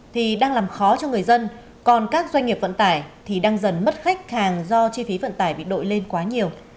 thì đang làm khó cho người dân còn các doanh nghiệp vận tải thì đang dần mất khách hàng do chi phí vận tải bị đội lên quá nhiều